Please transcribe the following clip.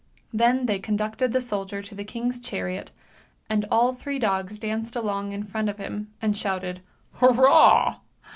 " Then they conducted the soldier to the king's chariot, and all three dogs danced along in front of him and shouted " Hurrah!